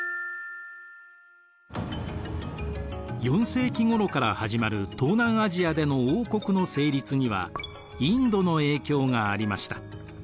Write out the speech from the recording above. ４世紀ごろから始まる東南アジアでの王国の成立にはインドの影響がありました。